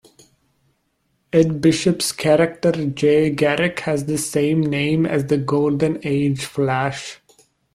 Ed Bishop's character Jay Garrick has the same name as the Golden Age Flash.